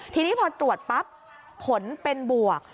ทีนี้พอตรวจปั๊บผลเป็นบวก